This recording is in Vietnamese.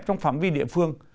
trong phạm vi địa phương